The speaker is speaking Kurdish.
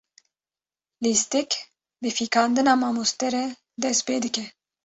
Lîstik bi fîkandina mamoste re dest pê dike.